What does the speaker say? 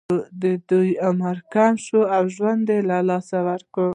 د دوی عمر کم شو او ژوند یې له لاسه ورکړ.